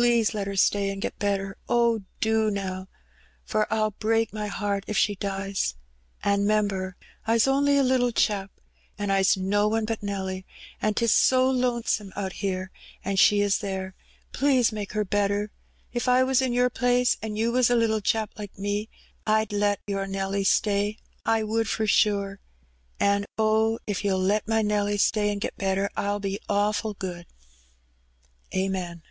Please let her stay an' get better. Oh, do now ! for Pll break my heart if she dies. An' 'member, I's only a little chap, an' I's no one but Nelly; an' 'tis so lonesome out here, an' she is there. Please make her better. If I was in Your place, an' You was a little chap like me, I'd let Your Nelly stay. I would for sure. An' oh, if You'll let my Nelly stay an' get better, I'll be awful good. Amen."